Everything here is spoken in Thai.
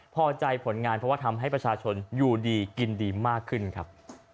พอใจผลงานเพราะว่าทำให้ประชาชนอยู่ดีกินดีมากขึ้นครับ